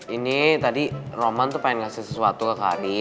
ini tadi numantang ngasih sesuatu ke saya